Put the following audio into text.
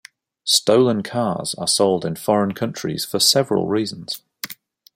Stolen cars are sold in foreign countries for several reasons.